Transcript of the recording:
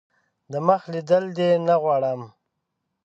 دمخ لیدل دي نه غواړم .